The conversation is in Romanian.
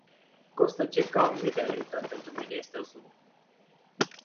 Costă circa o mie de lei, dar pentru mine este o sumă.